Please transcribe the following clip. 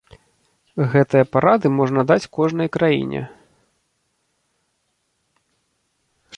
Гэтыя парады можна даць кожнай краіне.